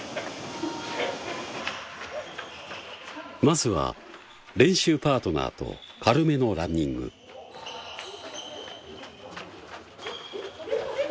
まずは練習パートナーと軽めのランニングえっ？